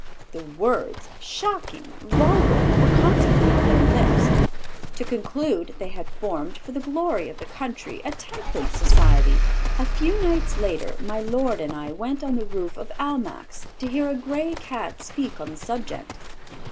The words, shocking, vulgar, were constantly on their lips. To conclude, they had formed, for the glory of the country, a Temperance Society. A few nights later my lord and I went on the roof of Almack's to hear a grey Cat speak on the subject.